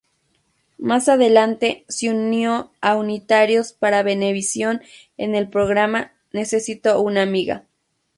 Más adelante se unió a Unitarios para Venevisión en el programa "Necesito una amiga".